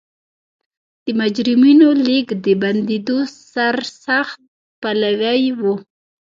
د مجرمینو لېږد د بندېدو سرسخت پلوی و.